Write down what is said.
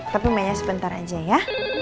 tapi mainnya sebentar aja ya